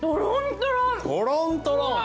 とろんとろん。